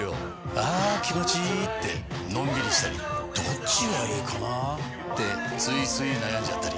あ気持ちいいってのんびりしたりどっちがいいかなってついつい悩んじゃったり。